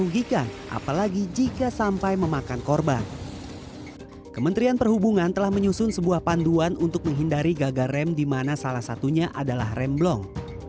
gagarem di mana salah satunya adalah remblong